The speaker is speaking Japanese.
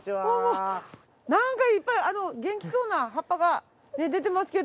なんかいっぱい元気そうな葉っぱが出てますけど。